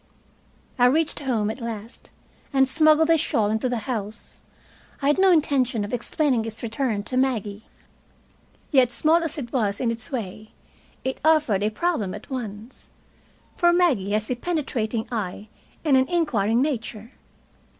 I reached home at last, and smuggled the shawl into the house. I had no intention of explaining its return to Maggie. Yet, small as it was in its way, it offered a problem at once. For Maggie has a penetrating eye and an inquiring nature.